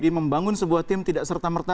membangun sebuah tim tidak serta merta